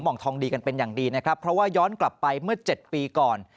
งทองดีกันเป็นอย่างดีนะครับเพราะว่าย้อนกลับไปเมื่อ๗ปีก่อน